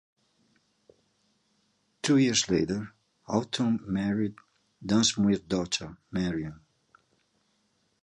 Two years later, Houghton married Dunsmuir's daughter, Marion.